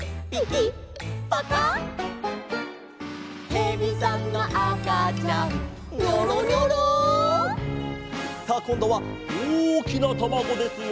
「へびさんのあかちゃん」「ニョロニョロ」さあこんどはおおきなたまごですよ！